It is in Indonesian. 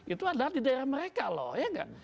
itu adalah di daerah mereka loh ya nggak